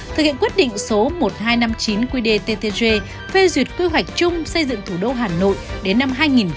thực hiện quyết định số một nghìn hai trăm năm mươi chín qdttg phê duyệt quy hoạch chung xây dựng thủ đô hà nội đến năm hai nghìn ba mươi